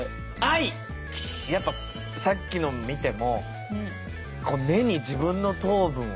やっぱさっきの見ても根に自分の糖分をね